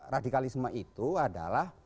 radikalisme itu adalah